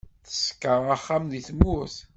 Teṣka axxam deg tmurt.